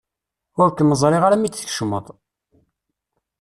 Ur kem-ẓriɣ ara mi d-tkecmeḍ.